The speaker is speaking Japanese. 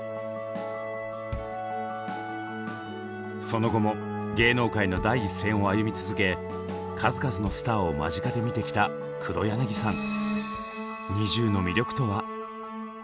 その後も芸能界の第一線を歩み続け数々のスターを間近で見てきた黒柳さん。